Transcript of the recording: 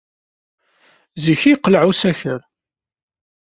Zik ay yeqleɛ usakal.